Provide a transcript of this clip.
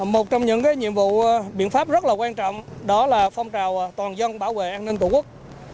một trong những nhiệm vụ biện pháp rất là quan trọng đó là phong trào toàn dân bảo vệ an ninh tổ quốc